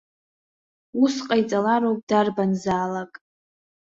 Ус ҟаиҵалароуп дарбанзаалак.